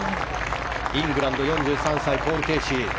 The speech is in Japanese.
イングランド、４３歳ポール・ケーシー。